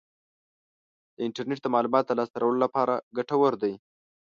د انټرنیټ د معلوماتو د لاسته راوړلو لپاره ګټور دی.